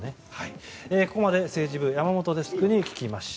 ここまで、政治部山本デスクに聞きました。